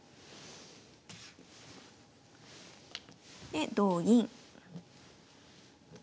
で同銀。